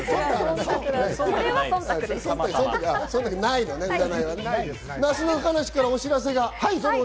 なすなかにしからお知らせが。